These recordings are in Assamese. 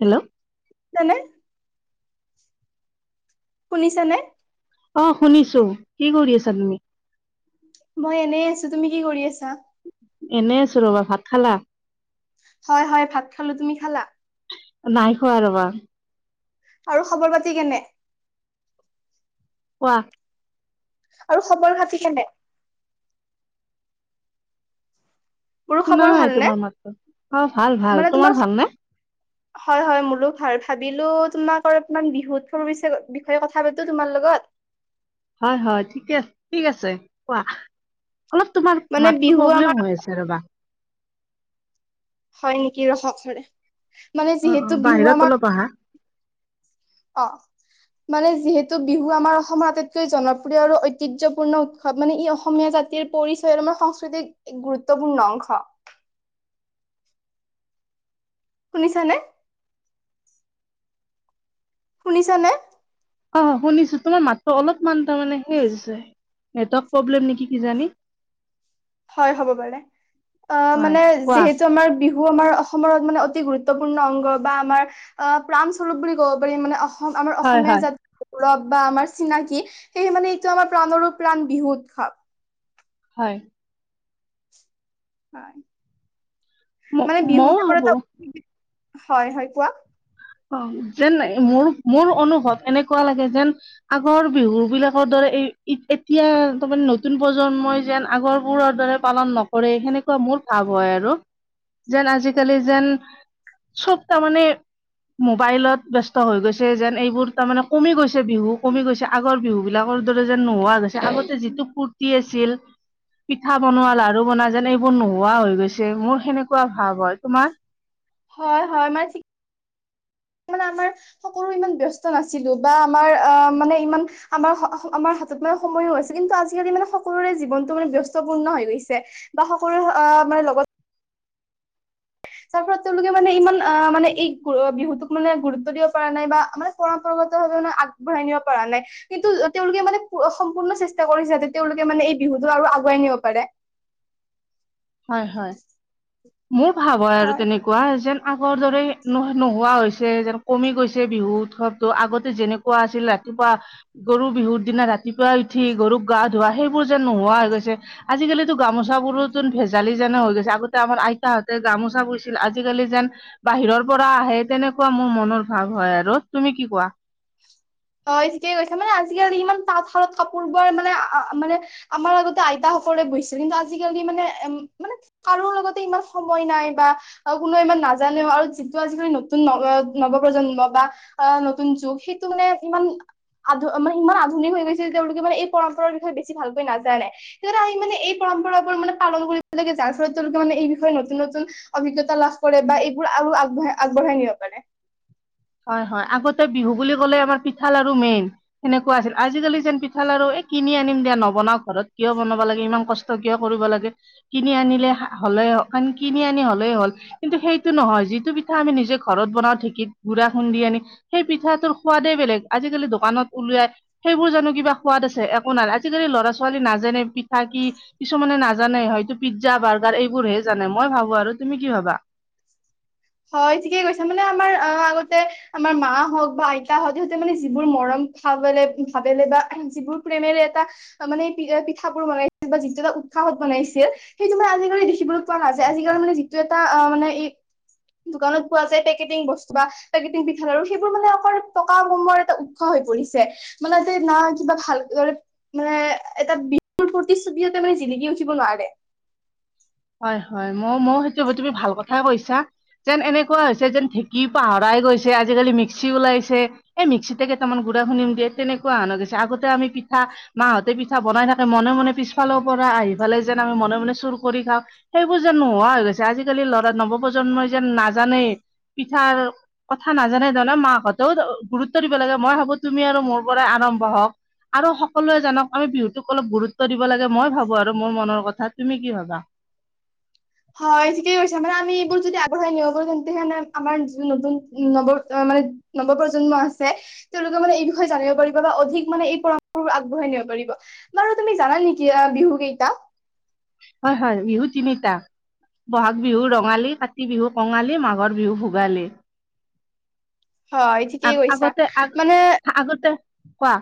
হেল্ল' [inaudible] শুনিছানে? অ শুনিছো। কি কৰি আছা তুমি? মই এনে আছো। তুমি কি কৰি আছা? এনেই আছোঁ ৰ'বা। ভাত খালা? হয় হয় ভাত খালো। তুমি খালা? নাই খোৱা আৰু ৰবা। আৰু খবৰ পাতি কেনে? কোৱা আৰু খবৰ পাতি কেনে? মোৰো শুনা খবৰ নাই ভালনে তোমাৰ মাতটো। অ ভাল ভাল, তোমাৰ ভাল নে? হয় হয় মোৰো ভাল। ভাবিলো তোমাক অলপমান বিহুৎ শুভে, বিষয়ে কথা পাতো তোমাৰ লগত। [inaudible] হয় হয় ঠিকে, ঠিক আছে। কোৱা? অলপ তোমাৰ মানে মাতটো বিহু আমাৰ প্ৰব্লেম হৈ আছে ৰবা। হয় নেকি। ৰখক মানে অ অ যিহেতু বিহু বাহিৰত আমাৰ অলপ আহা অ। মানে যিহেতু বিহু আমাৰ অসমৰ আটাইতকৈ জনপ্ৰিয় আৰু ঐতিহ্যপূৰ্ণ উৎসৱ। মানে ই অসমীয়া জাতিৰ পৰিচয় আমাৰ সংস্কৃতিৰ এক গুৰুত্বপূৰ্ণ অংশ শুনিছানে? শুনিছানে? অ হয় শুনিছো। তোমাৰ মাতটো অলপমান তাৰমানে সেই হৈ নেটৱৰ্ক প্ৰব্লেম নেকি কিজানি। হয় হ'ব পাৰে। অ হয় মানে কোৱা যিহেতু আমাৰ বিহু বহু আমাৰ অসম মানে অতি গুৰুত্বপূৰ্ণ অংগ বা আমাৰ অ প্ৰাণস্বৰূপ বুলি ক'ব পাৰি মানে অসম আমাৰ হয় অসমীয়া হয় জাতি লভ বা আমাৰ চিনাকি। সেয়ে মানে এইটো আমাৰ প্ৰাণৰো প্ৰাণ বিহু উৎসৱ। হয়। হয়। ম মান বিহু মইও কেব ভাবো হয় হয়। কোৱা? অ যেন মোৰ-মোৰ অনুভৱ এনেকুৱা লাগে যেন আগৰ বিহু বিলাকৰ দৰে এতিয়া তাৰমানে নতুন প্ৰজন্মই যেন আগৰবোৰৰ দৰে পালন নকৰে সেনেকুৱা মোৰ ভাৱ হয় আৰু। যেন আজিকালি যেন চবতা মানে মোবাইলত ব্যস্ত হৈ গৈছে যেন এইবোৰ তাৰমানে কমি গৈছে বিহু, কমি গৈছে আগৰ বিহু বিলাক আগৰ দৰে যেন নোহোৱা গৈছে। আগতে যিটো ফূুৰ্তি আছিল পিঠা বনোৱা, লাৰু বনোৱা, যেন এইবোৰ নোহোৱা হৈ গৈছে। মোৰ সেনেকুৱা ভাৱ হয় তোমাৰ হয় হয় মই [inaudible] আমাৰ সকলো ইমান ব্যস্ত নাছিলো বা আমাৰ অ মানে ইমান আমাৰ-আমাৰ হাতত মানে সময়ো হৈছে। কিন্তু আজিকালি মানে সকলোৰে জীৱনটো মানে ব্যস্তপূৰ্ণ হৈ গৈছে। বা সকলোৰে মানে লগত [inaudible] তাৰ ফলত তেওঁলোকে মানে ইমান অ মানে এই বিহুতোক মানে গুৰুত্ব দিব পৰা নাই বা মানে পৰম্পৰাগত আগবঢ়াই নিব পৰা নাই। কিন্তু তেওঁলোকে মানে সম্পূৰ্ণ চেষ্টা কৰিছে, যাতে তেওঁলোকে মানে এই বিহুতো আৰু আগুৱাই নিব পাৰে। হয় হয়। মোৰ ভাব হয় আৰু তেনেকুৱা যেন আগৰ দৰেই ন-নোহোৱা হৈছে, যেন কমি গৈছে বিহু উৎসৱটো। আগতে যেনেকুৱা আছিল ৰা ৰাতিপুৱা গৰু বিহুৰ দিনা ৰাতিপুৱা উঠি গৰুক গা ধোৱা সেইবোৰ যেন নোহোৱা হৈ গৈছে। আজি আজিকালিতো গামোচাবোৰ ভেজালি যেনে হৈ গৈছে। আগতে আমাৰ আইতাহঁতে গামোচা বৈছিল। আজিকালি যেন বাহিৰৰ পৰা আহে তেনেকুৱা মোৰ মনৰ ভাৱ হয় আৰু। তুমি কি কোৱা? [inaudible] হয় ঠিকে কৈছো। মানে আজিকালি ইমান তাঁতশাৰত কাপোৰ বোৱাৰ মানে মানে আমাৰ আগতে আইতা [unintelligible] বৈছিল। কিন্তু আজি কালি মান, মান কৰো লগতে ইমান সময় নাই বা আৰু কোনো নাজানেও আৰু যিটো আজিকালি নতুন ন-নৱপ্ৰজন্ম বা অ নতুন যুগ সেইটো মানে ইমান আধু মানে ইমান আধুন হৈ গৈছিল তেওঁলোক মানে পৰম্পৰাৰ বিষয়ে বেছি ভালকৈ নাজানে। [unintelligible] পৰম্পৰাবোৰ মানে পালন কৰিব লাগে, যাৰ ফলত তেওঁলোকে মানে এই বিষয়ে নতুন নতুন অভিজ্ঞতা লাভ কৰে বা এইবোৰ আগবঢ়াই-আগবঢ়াই নিব পাৰে। হয় হয় আগতে বিহু বুলি ক'লে আমাৰ পিঠাল আৰু মেইন, সনেকুৱা আছিল। আজিকালি যেন পিঠাল আৰু এ কিনি আনিম দিয়া নোবনাও ঘৰত। কিয় বনাব লাগে? ইমান কষ্ট কিয় কৰিব লাগে? কিনি আনিলে হলে কিনি আনি হ'লেই হল। কিন্তু সেইটো নহয় যিটো পিঠা আমি নিজে ঘৰত বনাও ঢেঁকী গুড়া খুন্দি আনি। সেই পিঠাটোৰ সোৱাদেই বেলেগ। আজিকালি দোকানত উলিয়াই সেইবোৰ জানো কিবা সাদ আছে? একো নাই। আজিকালি লৰা ছোৱালী নাজানে পিঠা কি, কিছুমানে নাজানে হয়তো পিজ্জা, বাৰ্গাৰ এইবোৰ হে জানে, মই ভাবো আৰু। তুমি কি ভাবা? [inaudible] হয় ঠিকে কৈছা। মানে আমাৰ অ আগতে আমাৰ মা হওক বা আইতা হওক সিহঁতে মানে যিবোৰ মৰম ভাবৰে-ভাবেৰে বা যিবোৰ প্ৰেমেৰে এটা মান প-পিঠ বোৰ বনাইছিল বা যিটো এটা উৎসাহত বনাইছিল, সেইটো মানে আজিকালি দেখিবলৈ পোৱা নাযায়। আজিকালি মানে যিটো এটা অ মানে ই দোকানত পোৱা যায় পেকেটিং বস্তু বা পেকেটিং পিঠা লড়, সেইবোৰ মানে আক টকা কমোৱাৰ এটা উৎস হৈ পৰিছে। মানে যে না কিবা ভালদৰে মানে এটা প্ৰতিশ্ৰুবি এটা মানে জিলিকি উঠিব নোৱাৰে। হয় হয়। মই-মই সেইটো তুমি ভাল কথাই কৈছা। যেন এনেকুৱা হৈছে যেন ঢেঁকী পাহৰাই গৈছে, আজিকালি মিক্সি ওলাইছে এই মিক্সিতে কেইটামান গ [unintelligible] তেনেকুৱা হৈ গৈছে। আগতে আমি পিঠা মাহঁতে পিঠানাই থাকে মনে মনে পিছফালৰ পৰা আহি ফালে যেন আমি মনে মনে চুৰ কৰি খাওঁ। সেইবোৰ যেন নোহোৱা হৈ গৈছে। আজিকালি লৰা নৱপ্ৰজন্মই যেন নাজানেই। পিঠাৰ কথা নাজানে জান, মাহঁতেও গুৰুত্ব দিব লাগে। মই ভাবো তুমি আৰু মোৰ পৰা আৰম্ভ হওক। আৰু সকলোৱে জানক। আমি বিহুটোক অলপ গুৰুত্ব দিব লাগে, মই ভাবো আৰু মোৰ মনৰ কথা। তুমি কি ভাবা? হয় ঠিকেই কৈছো। মানে আমি এইবোৰ যদি আগবঢ়াই নিবো তেন্তে হে আমাৰ যি নতুন ন মানে নৱপ্ৰজন্ম আছে, তেওঁলোকে মানে এই বিষয়ে জানিব পাৰিব বা অধিক মানে এই পৰম্পৰাবোৰ আগবঢ়াই নিব বাৰু তুমি জানা নেকি বিহু কেইটা? হয় হয়। বিহুতিনিতা। বহাগ বিহু ৰঙালী, কাতি বিহু কঙালী, মাঘৰ বিহু ভোগালী। হয় আগ ঠিকেই কৈছা। আগতে আগ মানে আগতে কোৱা?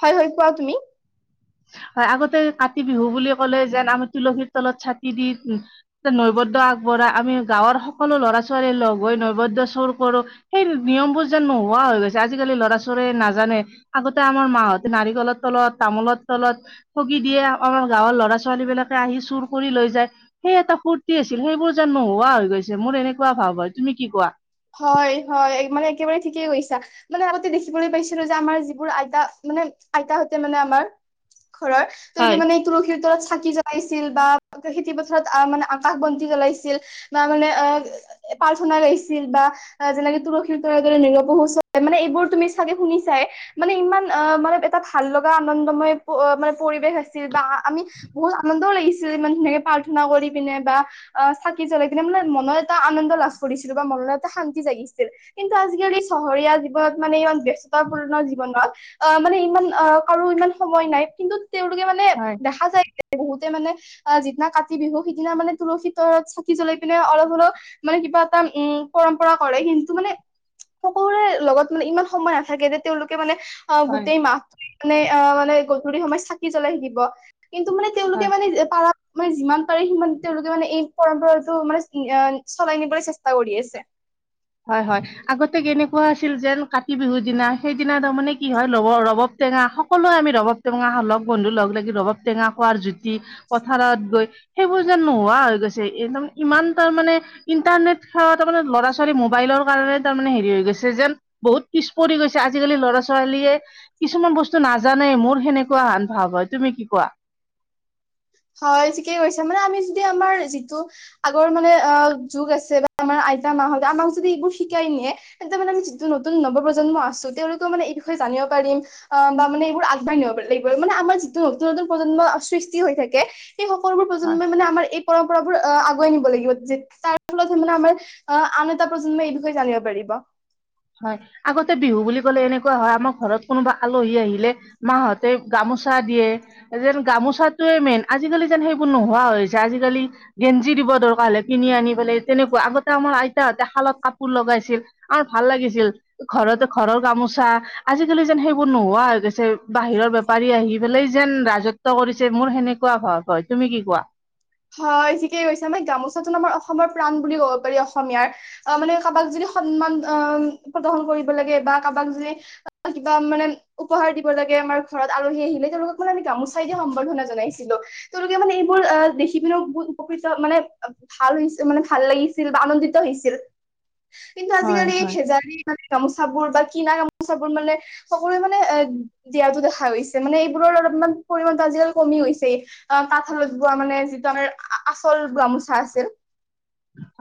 হয় হয়। কোৱা তুমি? হয়। আগতে কাতি বিহু বুলি ক'লে যেন আমি তুলসীৰ তলত চাকি দি উ নৈবদ্য আগবঢ় আমি গাঁৱৰ সকলো লৰা ছোৱালীয়ে লগ হৈ নৈবদ্য চুৰ কৰো, সেই নিয়মবোৰ যেন নোহোৱা হৈ গৈছে। আজিকালি ল'ৰা ছোৱালীয়ে নাজানে। আগতে আমাৰ মাহঁতে নাৰিকলৰ তলত, তামোলত তলত ঠগি দিয়ে আমাৰ গাঁৱৰ ল'ৰা ছোৱালী বিলাকে আহি চুৰ কৰি লৈ যায় সেই এটা ফুৰ্তি ছিল সেইবোৰ যেন নোহোৱা হৈ গৈছে মোৰ এনেকুৱা ভাৱ হয় তুমি কি কোৱা হয় হয় মানে একেবাৰে ঠিকেই গৈছা মানে আগতে দেখিবলৈ পাইছিলো যে আমাৰ যিবোৰ আইতা মানে আইতাহতে মানে আমাৰ ঘৰৰ তোৰ কি হয় মানে তুলসীৰ ত চাকি জলাইছিল বা খেতি পথাৰত মানে আকাশ বন্তি জলাইছিল বা মানে অ পৰ্থনা গাইছি বা যেনেকে তুলসীৰ ত দৰে নলপহু মানে এইবোৰ তুমি চাগে শুনি চাই মানে ইমান অ মানে এটা ভাল লগা আনন্দময় মানে পৰিৱেশ আছিল বা আমি বহুত আনন্দও লাগিছিল ধুনীয়াকে প্ৰাৰ্থনা কৰি কিনে বা অ চাকি জলাই কিনে মানে মনৰত এটা আনন্দ লাভ কৰিছিল বা মন এটা শান্তি জাগিছিল কিন্তু আজিকালি চহৰীয়া জীৱনত মানে ইমান ব্যস্ততাপূৰ্ণ জীৱন অ মানে ইমান অ কাৰো ইমান সময় নাই কিন্তু তেওঁলোকে মানে হয় দেখা যায় বহুতে মানে যিদিনা কাতি বিহু সিদিনা মানে তুলসী তলত চাকি জ্বলাই পিনে অলপ হলেও মানে কিবা উম পৰম্পৰা কৰে কিন্তু মানে সকলোৰে লগত মানে ইমান সময় নাথাকে যে তেওঁলোকে মানে অ হয় গোটেই মাহটো মানে অ মানে গধূলি সময়ত চাকি জ্বলাই থাকিব কিন্তু মানে তেওঁলোকে হয় মানে পাৰা মানে যিমান পাৰে সিমান তেওঁলোকে মানে এই পৰম্পৰাতটো মানে চলাই নিবলৈ চেষ্টা কৰি আছে হয় হয় আগতে কেনেকুৱা আছিল যেন কাতি বিহুৰ দিনা সেইদিনা তাৰমানে কি হয় লগৰ লগ টেঙা সকলোৱে আমি ৰবাব টেঙা লগ বন্ধু লগ লাগি ৰবাব টেঙা খোৱাৰ জুতি পথাৰত গৈ সেইবোৰ যেন নোহোৱা হৈ গৈছে একদম ইমান তাৰ মানে ইন্টাৰনেট সেৱা ত মে ল'ৰা ছোৱালি ছোৱালী মোবাইলৰ কাৰণে তাৰ মানে হেৰি হৈ গৈছে যেন বহুত পিছ পৰি গৈছে আজিকালি ল'ৰা ছোৱালীয়ে কিছুমান বস্তু নাজানে মোৰ সেনেকুৱা হেন ভাৱ হয় তুমি কি কোৱা হয় ঠিকে কৈছা মানে আমি যদি আমাৰ যিটো আগৰ মানে অ যুগ আছে বা আমাৰ এ মাহ হ আমাক যদি এইবোৰ শিকাই নে তেন্ত মানে আমাক যদি সিকাই নিয়ে যিটো নতুন নৱ প্ৰজন্ম আছো তেওঁলোকও মানে এই বিষয়ে জান বা মানে এইবোৰ আগবাঢ়িব লাগিব মানে আমাৰ যিটো নতু নতুন প্ৰজন্মৰ সৃষ্টি হৈ থাকে সেই সকলোবোৰ হয় প্ৰজন্মই মানে আমাৰ এই পৰম্পৰাবোৰ আহ আগুৱাই নিব লাগিব তাৰ ফলত মানে আমাৰ আহ আন এটা প্ৰজন্মই এই বিষয়ে জানিব পাৰিব বা হয় আগতে বিহু বুলি ক'লে এনেকুৱা হয় আমাৰ ঘৰত কোনোবা আলহী আহিলে মাহঁতে গামোচা দিয়ে যেন গামোচাটোৱে মেইন আজিকালি যেন সেইবোৰ নোহোৱা হৈছে আজিকালি গেঞ্জি দিব দৰকাৰ হলে কিনি আনি পেলাই তেনেকুৱা আগতে আমাৰ আইতাহঁতে শালত কাপোৰ লগাইছিল ভাল লাগিছিল ঘৰতে ঘৰৰ গামোচা আজিকালি যেন সেইবোৰ নোহোৱা হৈ গৈছে বাহিৰৰ বপাৰ পাৰি আহি পেলাই যেন ৰাজত্ব কৰিছে মোৰ সেনেকুৱা ভাব হয় তুমি কি কোৱা হয় এই ঠিকেই কৈছে আমাৰ গামোচাটো আমাৰ অসমৰ প্ৰাণ বুলি ক'ব পাৰি অসমীয়াৰ অ মানে কাৰোবাক যদি সন্মান অ প্ৰদৰ্শন কৰিব লাগে বা কাৰোবাক য কিবা মানে উপহাৰ দিব লাগে আমাৰ ঘৰত আলহী আহিলে তেওঁলোকক মানে আমি গামোচাই দি সম্বৰ্ধনা জনাইছিলো তেওঁলোকে মানে এইবোৰ আহ শভি বহুত উপকৃত মানে ভাল হৈছিল মানে ভাল লাগিছিল বা আনন্দিত হৈছিল কিন্তু হয় আজিকালি এই হয় শেজাৰী গামোচ বোৰ বা কিনা গামোচা বোৰ মানে সকলোৱে মানে এ দিয়া দেখা গৈছে মানে এইবোৰৰ লগ মান পৰিমাণতটো আজিকালি কমি হৈছেই অ তাঁতশালত বোৱা মানে তমে আচল গামোচা আছিল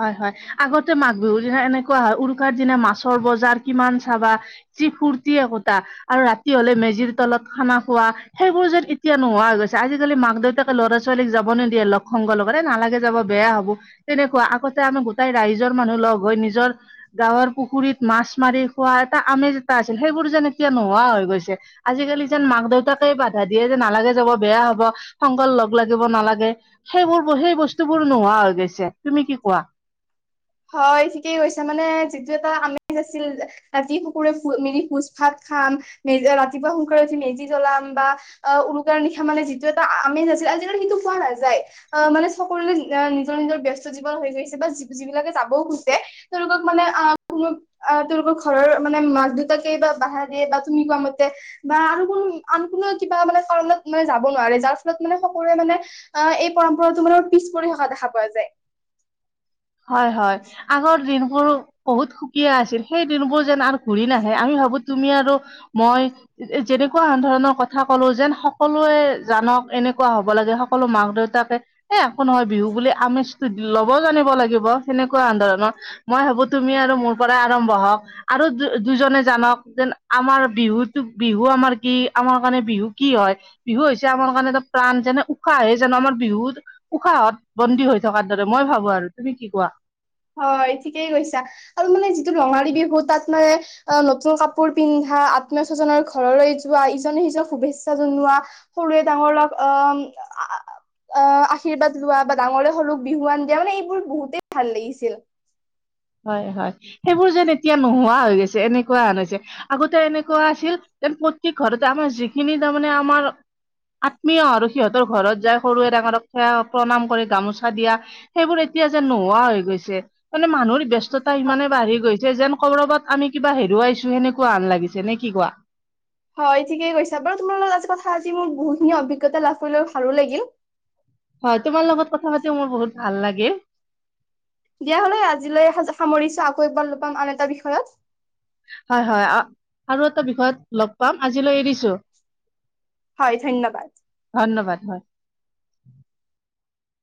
হয় হয় আগতে মাঘ বিহুৰ দিনা এনেকুৱা হয় উৰুকাৰ দিনা মাছৰ বজাৰ কিমান চাবা যি ফূৰ্তি একোটা আৰু ৰাতি হলে মেজিৰ তলত খানা খোৱা সেইবোৰ যেন এতিয়া নোহোৱা গৈছে আজিকালি মাক দেউতাকে ল'ৰা ছোৱালীক যাব নিদিয়ে লগ সংগৰ লগতে নালাগে যাব বেয়া হব তেনেকুৱা আগতে আমি গোটেই ৰাইজৰ মানুহ লগ হৈ নিজৰ গাঁৱৰ পুখুৰীত মাছ মাৰি খোৱাৰ এটা আমে যেটা আছিল সেইবোৰ যেন এতিয়া নোহোৱা হৈ গৈছে আজিকালি যেন মাক দেউতাকে বাধা দিয়ে যে নালাগে যাব বেয়া হ'ব। সংকল লগ লাগিব নালাগে। সেইবোৰ সেই বস্তু বোৰ নোহোৱা হৈ গৈছে। তুমি কি কোৱা? হয়, ঠিকেই কৈছা। মানে যিটো এটা আমেজ আছিল ৰা-ৰাতি সকোৰে ম-মিলি ভোজ ভাত খাম। মেজ, ৰাতিপুৱা সোনকালে উঠি মেজি জ্বলাম বা উৰুকাৰে নিশা মানে যিটো এটা আমেজ আছি আজিকালি সেইটো পোৱা নাযায়। অ', মানে সকলোৰে আ নিজৰ নিজৰ ব্যস্ত জীৱন হৈ গৈছে, বা যি-যিবিলাকে চাব খোজে তেওঁলোকক মানে অ কোন তেওঁলোকৰ ঘৰৰ মানে মাক দেউতাকে বা বাহা দিয়ে বা তুমি কোৱা মতে বা আন কোনো কিবা মানে কাৰণত মানে যাব নোৱাৰে যাৰ ফলত মানে সকলোৱে মানে অ এই পৰম্পৰাটো মানে পিছ পৰি থকা দেখা পোৱা যায় হয় হয় আগৰ দিন অ', বহুত সুকীয়া আছিল। সেই দিনবোৰ যেন আৰু ঘূৰি নাহে। আমি ভাবোঁ তুমি আৰু মই যে-যেনেকুৱা ধৰণৰ কথা ক'লো যেন সকলোৱে জানক এনেকুৱা হ'ব লাগে। সকলো মাক-দেউতা তাকে এ একো নহয় বিহু বুলি আমেজটো দি-ল'ব জানিব লাগে। লাগিব সেনেকুৱা ধৰণৰ। মই ভাবোঁ তুমি আৰু মোৰ পৰা আৰম্ভ হওঁক, আৰু দুজনে জানক। যেন আমাৰ বিহুতো, বিহু আমাৰ কি? আমাৰ কাৰণে বিহু কি হয়? বিহু হৈছে আমাৰ কাৰণে এটা প্ৰাণ, যেনে উশাহে যেন আমাৰ বিহুত উশাহত বন্দী হৈ থকাৰ দৰে মই ভাবোঁ আৰু। তুমি কি কোৱা? হয়, ঠিকেই কৈছা। আৰু মানে যিটো ৰঙালী বিহু তাত মানে অ নতুন কাপোৰ পিন্ধা ন্ধা, আত্মীয়-স্বজনৰ ঘৰলৈ যোৱা, ইজনে-সিজনক শুভেচ্ছা জনোৱা, সৰুৱে-ডাঙৰক অ' আ-আশীৰ্বাদ লোৱা বা ডাঙৰে সৰুক বিহুৱান দিয়া। মানে এইবোৰ বহুতেই ভাল লাগিছ ছিল। হয়, হয়। সেইবোৰ যেন এতিয়া নোহোৱা হৈ গৈছে এনেকুৱাহেন হৈছে। আগতে এনেকুৱা আছিল যেন প্ৰত্যেক ঘৰতে আমাৰ যিখিনি তাৰমানে আমাৰ আত্মীয় আৰু সিহঁতৰ ঘৰত যায় সৰুৱে-ডাঙৰক সেৱা-প্ৰণাম কৰি গামোচা দিয়া। সেইবোৰ এ এতিয়া যেন নোহোৱা হৈ গৈছে। মানে মানুহৰ ব্যস্ততা ইমানেই বাঢ়ি গৈছে যেন কৰৱাত আমি কিবা হেৰুৱাইছোঁ সেনেকুৱাসন লাগিছে। নে কি কোৱা? হয়, ঠিকে কৈছা। বাৰু তোমাৰ লগত আজি কথা আজি মোৰ বহুতখিনি অভিজ্ঞতা লাভ কৰিলো, আৰু ভালো লাগিল। [inaudible] হয়, তোমাৰ লগত কথা পাতিও মোৰ বহুত ভাল লাগিল। দিয়া হ'লে আজিলৈ সামৰিছোঁ। আকৌ এবাৰ লগ পাম আন এটা বিষয়ত। হয়, হয়। আৰু এটা বিষয়ত লগ পাম আজিলৈ এৰিছোঁ। হয়, ধন্যবাদ। ধন্যবাদ [inaudible]